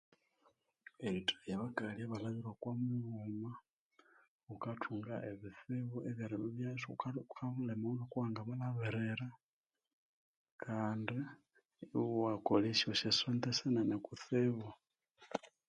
Erithahya abakali abalhabire okwa mughuma wukathunga ebitsibu ebyerilwa wukalemawa ngoku wanga balhabirira kandi iwakolesya esyosente sinene kutsibu.